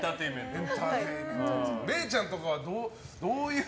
れいちゃんとかはどういう？